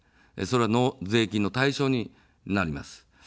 それは税金の対象になります。